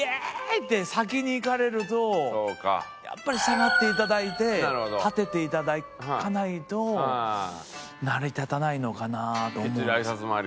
って先に行かれるとやっぱり下がっていただいて立てていただかないと成り立たないのかなと思うんです。